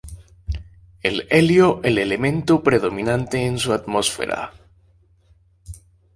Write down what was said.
El helio el elemento predominante en su atmósfera.